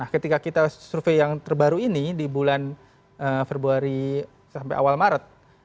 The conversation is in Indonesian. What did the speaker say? ketika kita survei yang terbaru ini di bulan februari sampai awal maret